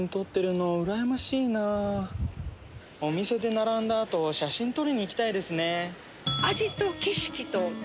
お店で並んだあと写真撮りに行きたいですね。